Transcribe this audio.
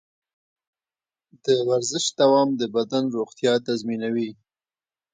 د ورزش دوام د بدن روغتیا تضمینوي.